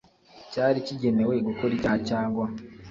cyari kigenewe gukora icyaha cyangwa